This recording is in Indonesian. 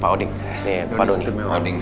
pak uding pak uding